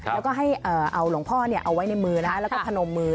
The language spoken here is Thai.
แล้วก็ให้เอาหลวงพ่อเอาไว้ในมือแล้วก็พนมมือ